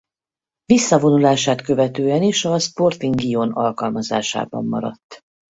Visszavonulását követően is a Sporting Gijón alkalmazásában maradt.